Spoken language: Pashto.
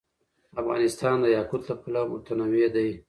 افغانستان د یاقوت له پلوه متنوع دی.